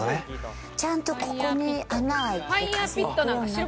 ちゃんとここに穴開いてる。